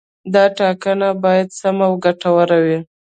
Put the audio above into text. دا ټاکنه باید سمه او ګټوره وي.